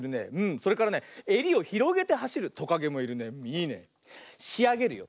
それからねえりをひろげてはしるトカゲもいるね。いいね。しあげるよ。